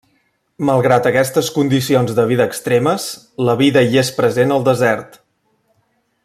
Malgrat aquestes condicions de vida extremes, la vida hi és present al desert.